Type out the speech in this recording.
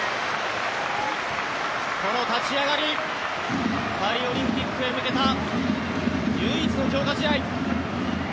この立ち上がりパリオリンピックへ向けた唯一の強化試合。